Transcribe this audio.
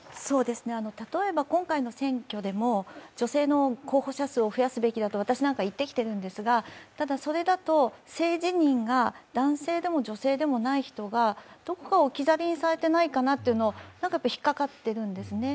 例えば今回の選挙でも、女性の候補者数を増やすべきだと私なんかは言ってきてるんですがただそれだと政治人が男性でも女性でもない人がどこか置き去りにされていないかというのに何か引っ掛かっているんですね。